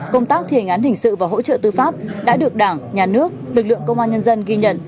công tác thi hành án hình sự và hỗ trợ tư pháp đã được đảng nhà nước lực lượng công an nhân dân ghi nhận